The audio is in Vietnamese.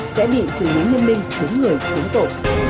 sẽ bị xử lý liên minh đúng người đúng tổ